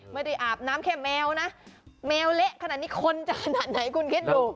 ไม่ได้อาบน้ำแค่แมวนะแมวเละขนาดนี้คนจะขนาดไหนคุณคิดดู